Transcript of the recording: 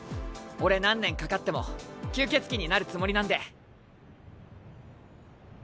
俺何年かかっても吸血鬼になるつもりなんで。